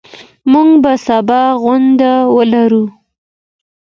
موږ به سبا غونډه ولرو.